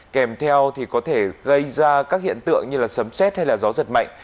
kèm theo thì có thể gây ra các hiện tượng như sấm xét hay là gió giật mạnh